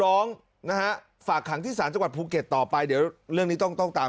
ก็เรียกร้องให้ตำรวจดำเนอคดีให้ถึงที่สุดนะ